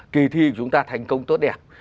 kỳ thi của chúng ta thành công tốt đẹp